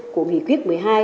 của nghị quyết một mươi hai